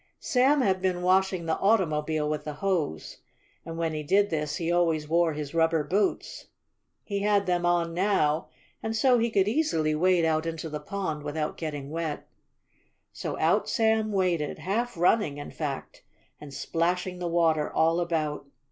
Sam had been washing the automobile with the hose, and when he did this he always wore his rubber boots. He had them on now, and so he could easily wade out into the pond without getting wet. So out Sam waded, half running in fact, and splashing the water all about.